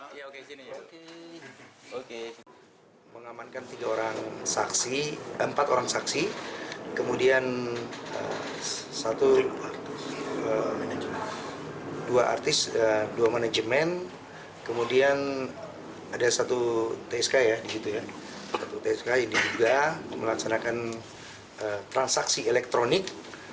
dua artis dua manajemen kemudian ada satu tsk ya satu tsk yang diduga melaksanakan transaksi elektronik